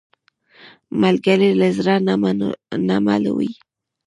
ملګری له زړه نه مل وي